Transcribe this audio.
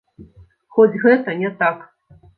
Хоць гэта не так.